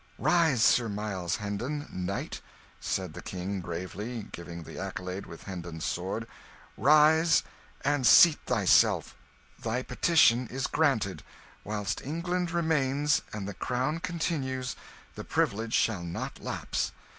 "Rise, Sir Miles Hendon, Knight," said the King, gravely giving the accolade with Hendon's sword "rise, and seat thyself. Thy petition is granted. Whilst England remains, and the crown continues, the privilege shall not lapse."